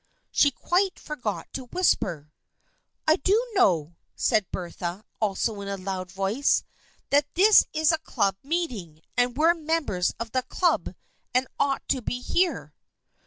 She quite forgot to whisper. " I do know," said Bertha, also in a loud voice, " that this is a Club meeting, and we're members of the Club and ought to be here."